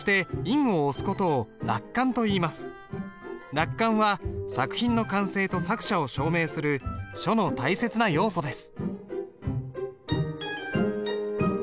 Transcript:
落款は作品の完成と作者を証明する書の大切な要素です。